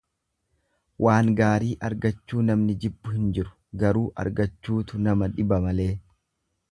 Waan gaarii argachuu namni jibbu hin jiru garuu argachuutu nama dhiba malee.